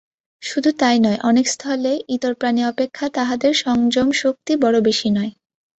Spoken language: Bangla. শুধু তাই নয়, অনেক স্থলে ইতর প্রাণী অপেক্ষা তাহাদের সংযম-শক্তি বড় বেশী নয়।